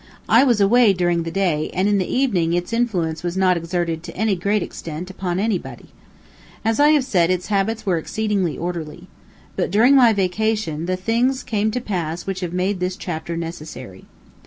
I was away, during the day, and, in the evening, its influence was not exerted, to any great extent, upon anybody. As I have said, its habits were exceedingly orderly. But, during my vacation, the things came to pass which have made this chapter necessary.